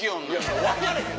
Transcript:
もう分かれへん。